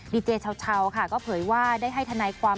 ดีเจเช้าค่ะก็เผยว่าได้ให้ทนายความ